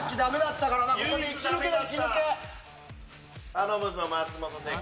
頼むぞ松本デカ。